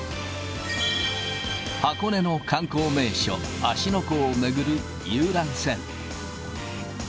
箱根の観光名所、芦ノ湖を巡る遊覧船。